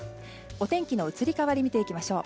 お天気の移り変わりを見ていきましょう。